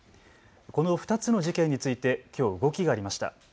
この２つの事件についてきょう動きがありました。